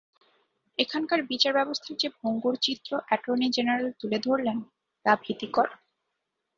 এখানকার বিচারব্যবস্থার যে ভঙ্গুর চিত্র অ্যাটর্নি জেনারেল তুলে ধরলেন, তা ভীতিকর।